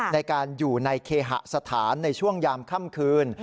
ในการอยู่ในเคหสถานในช่วงยามค่ำคืน